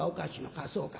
ああそうか。